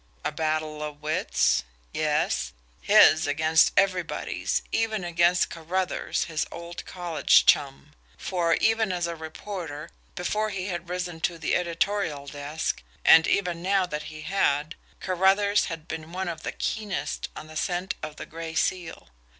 A battle of wits? Yes. His against everybody's even against Carruthers', his old college chum! For, even as a reporter, before he had risen to the editorial desk, and even now that he had, Carruthers had been one of the keenest on the scent of the Gray Seal.